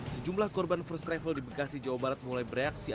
sejumlah korban first travel di bekasi jawa barat mulai bereaksi